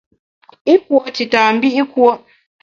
I kùo’ tita mbi’ kùo’.